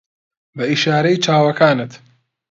بە ئیشارەی چاوەکانت